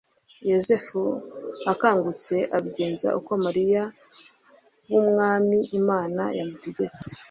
Yosefu akangutse abigenza uko marayika w’Umwami Imana yamutegetse